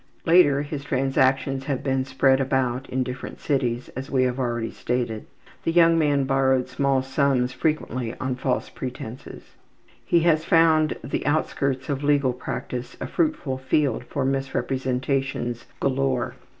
Later his transactions have been spread about in different cities, as we have already stated. The young man borrowed small sums frequently on false pretenses. He has found the outskirts of legal practice a fruitful field for misrepresentations galore.